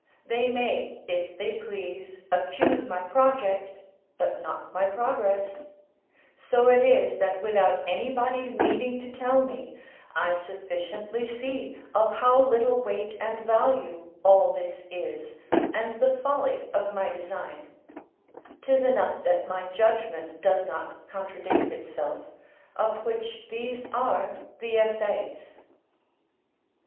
They may, if they please, accuse my project, but not my progress: so it is, that without anybody's needing to tell me, I sufficiently see of how little weight and value all this is, and the folly of my design: 'tis enough that my judgment does not contradict itself, of which these are the essays.